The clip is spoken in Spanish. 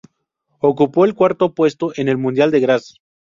Ocupó el cuarto puesto en el mundial de Graz.